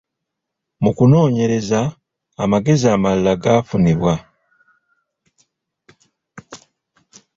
Mu kunoonyereza, amagezi amalala gafunibwa.